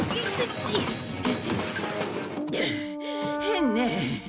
変ねえ。